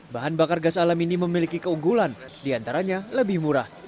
bahan bakar gas alam ini memiliki keunggulan diantaranya lebih murah